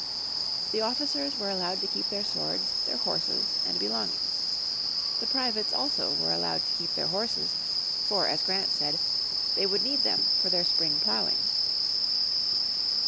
The officers were allowed to keep their swords, their horses and belongings. The privates also were allowed to keep their horses, for as Grant said, " they would need them for their spring ploughing."